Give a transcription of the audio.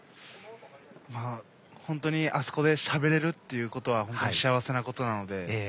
本当にあそこでしゃべれるということは幸せなことなので。